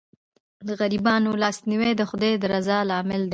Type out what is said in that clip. د غریبانو لاسنیوی د خدای د رضا لامل دی.